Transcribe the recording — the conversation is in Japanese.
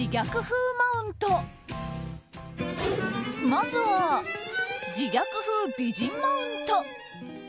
まずは、自虐風美人マウント。